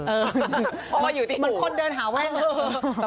เหมือนคนเดินหาว่าง